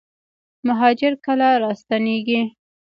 مهاجر کله راستنیږي؟